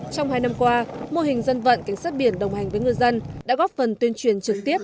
trong hai năm qua mô hình dân vận cảnh sát biển đồng hành với ngư dân đã góp phần tuyên truyền trực tiếp